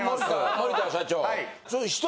森田社長。